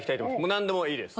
何でもいいです。